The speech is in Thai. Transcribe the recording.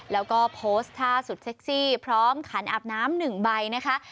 แล้วก็โพสต์ท่าสุดเซ็กซี่พร้อมขันอาบน้ำ๑ใบนะคะ